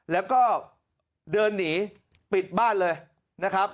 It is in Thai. แล้วก็เดินหนีปิดบ้านเลยนะครับ